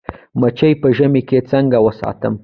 مچۍ په ژمي کې څنګه وساتم؟